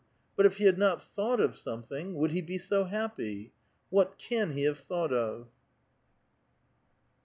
But if he had not thought of something, would he be BO happy ? What can he have thought of